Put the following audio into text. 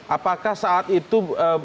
apakah saat itu